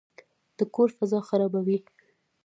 د کور فضا خرابوي.